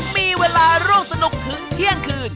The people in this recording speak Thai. มีเวลาร่วมสนุกถึงเที่ยงคืน